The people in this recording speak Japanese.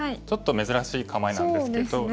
ちょっと珍しい構えなんですけど。